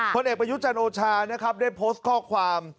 ผลเอกประยุจันทร์โอชานะครับได้โพสต์ข้อความ